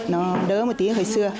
nó đỡ một tí hồi xưa